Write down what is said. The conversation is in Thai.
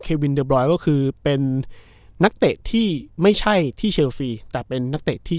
วินเดอร์บรอยก็คือเป็นนักเตะที่ไม่ใช่ที่เชลซีแต่เป็นนักเตะที่